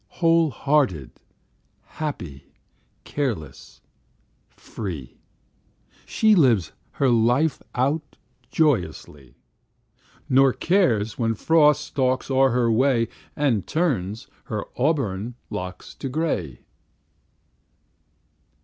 Whole hearted, happy, careless, free, She lives her life out joyously, Nor cares when Frost stalks o'er her way And turns her auburn locks to gray.